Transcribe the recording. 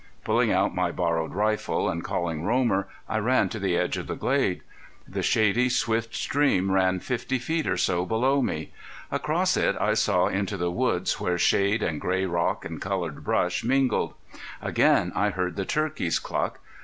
Pulling out my borrowed rifle, and calling Romer, I ran to the edge of the glade. The shady, swift stream ran fifty feet or so below me. Across it I saw into the woods where shade and gray rocks and colored brush mingled. Again I heard the turkeys cluck.